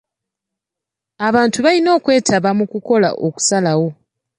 Abantu balina okwetaba mu kukola okusalawo.